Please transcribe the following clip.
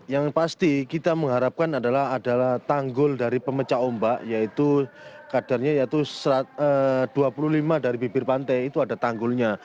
yang pasti kita mengharapkan adalah tanggul dari pemecah ombak yaitu kadarnya yaitu dua puluh lima dari bibir pantai itu ada tanggulnya